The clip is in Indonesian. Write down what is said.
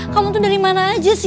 kamu itu dari mana aja sih